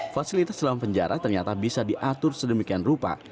fasilitas dalam penjara ternyata bisa diatur sedemikian rupa